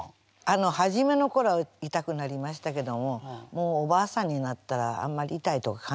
あの初めのころ痛くなりましたけどももうおばあさんになったらあんまり痛いとか感じなくなりました。